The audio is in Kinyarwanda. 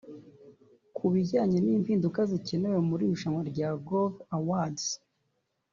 Ku bijyanye n’impinduka zikenewe muri iri rushanwa rya Groove Awards